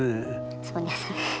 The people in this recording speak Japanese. そうですね。